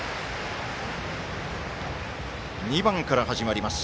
２番から始まります。